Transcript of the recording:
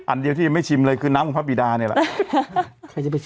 อันเดียวที่ยังไม่ชิมเลยคือน้ำของพระบิดานี่แหละ